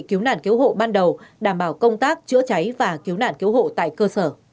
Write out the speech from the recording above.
cứu nạn cứu hộ ban đầu đảm bảo công tác chữa cháy và cứu nạn cứu hộ tại cơ sở